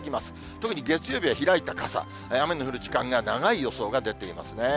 特に月曜日は開いた傘、雨の降る時間が長い予想が出ていますね。